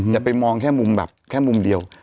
อย่าไปมองแค่มุมแบบแค่มุมเดียว